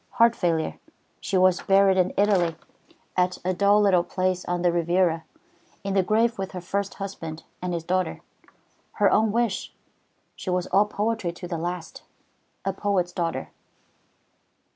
Heart failure. She was buried in Italy, at a dull little place on the Riviera, in the grave with her first husband and his daughter. Her own wish. She was all poetry to the last, a poet's daughter."